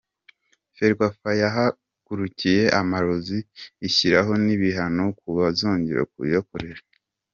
Ferwafa yahagurukiye amarozi ishyiraho n’ibihano ku bazongera kuyakoresha.